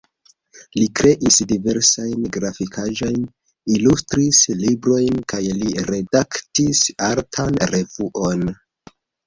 Li kreis diversajn grafikaĵojn, ilustris librojn kaj li redaktis artan revuon.